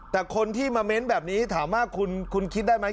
แต่คนที่มาเม้นแบบนี้ถามว่าคุณคิดได้ไหม